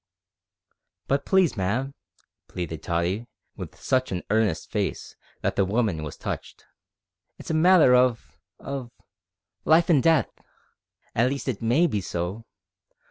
"But please, ma'am," pleaded Tottie, with such an earnest face that the woman was touched, "it's a matter of of life an' death at least it may be so.